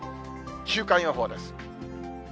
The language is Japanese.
週間予報です。